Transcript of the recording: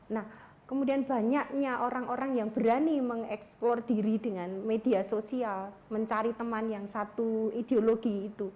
nah kemudian banyaknya orang orang yang berani mengeksplor diri dengan media sosial mencari teman yang satu ideologi itu